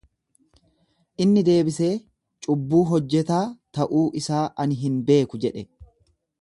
Inni deebisee, Cubbuu hojjetaa ta'uu isaa ani hin beeku jedhe.